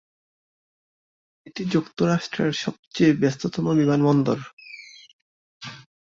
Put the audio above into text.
এটি যুক্তরাষ্ট্রের সবচেয়ে ব্যস্ততম বিমানবন্দর।